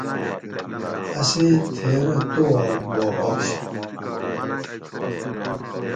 اسیں تھیرہ تواک پا آش